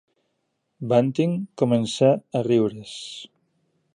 Bunting començà a riure's.